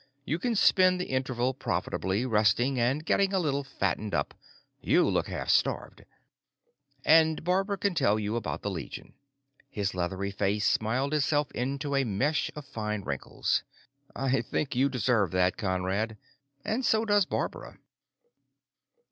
You can spend the interval profitably, resting and getting a little fattened up; you look half starved. And Barbara can tell you about the Legion." His leather face smiled itself into a mesh of fine wrinkles. "I think you deserve that, Conrad. And so does Barbara."